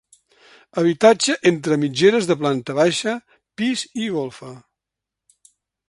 Habitatge entre mitgeres de planta baixa, pis i golfa.